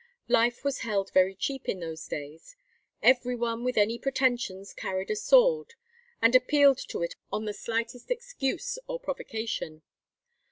Life was held very cheap in those days. Every one with any pretensions carried a sword, and appealed to it on the slightest excuse or provocation.